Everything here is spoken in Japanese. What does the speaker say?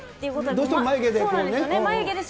どうしても眉毛でね。